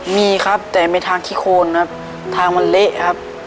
มีครับแต่มีทางขี้โคนครับทางมันเละครับ